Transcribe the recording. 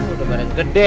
udah bareng gede